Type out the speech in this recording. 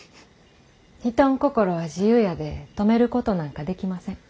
人ん心は自由やで止めることなんかできません。